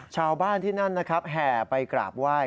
ชาวบ้านที่นั่นแห่ไปกราบไหว้